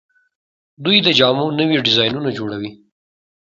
دوی د جامو نوي ډیزاینونه جوړوي.